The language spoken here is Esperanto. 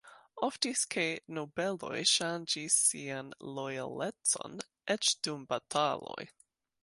Oftis ke nobeloj ŝanĝis sian lojalecon, eĉ dum bataloj.